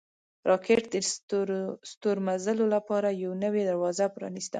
راکټ د ستورمزلو لپاره یوه نوې دروازه پرانیسته